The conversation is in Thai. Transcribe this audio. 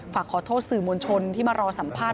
ฝากขอโทษสื่อมวลชนที่มารอสัมภาษณ